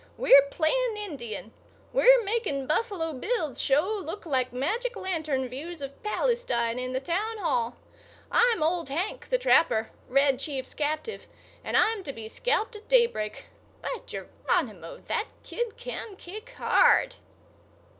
"We're playing Indian. We're making Buffalo Bill's show look like magic lantern views of Palestine in the town hall. I'm Old Hank, the Trapper, Red Chief's captive, and I'm to be scalped at daybreak. By Geronimo! that kid can kick hard."